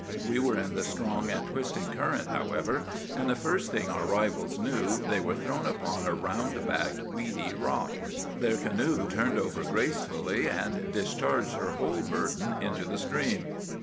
We were in the strong and twisting current, however; and the first thing our rivals knew they were thrown upon a round backed, weedy rock. Their canoe turned over gracefully, and discharged her whole burden into the stream.